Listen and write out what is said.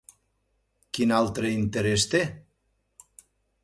Quin altre interès té?